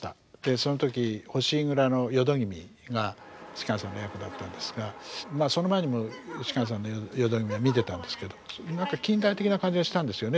その時糒庫の淀君が芝さんの役だったんですがその前にも芝さんの淀君見てたんですけど何か近代的な感じがしたんですよね